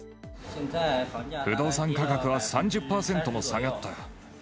不動産価格は３０％も下がった。